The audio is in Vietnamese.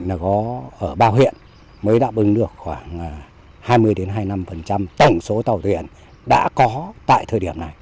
nó có ở bao hiện mới đáp ứng được khoảng hai mươi hai mươi năm tổng số tàu thuyền đã có tại thời điểm này